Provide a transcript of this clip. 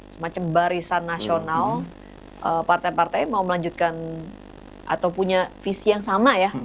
semacam barisan nasional partai partai mau melanjutkan atau punya visi yang sama ya